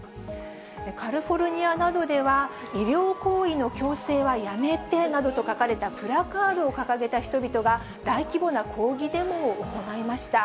カリフォルニアなどでは、医療行為の強制はやめてなどと書かれたプラカードを掲げた人々が、大規模な抗議デモを行いました。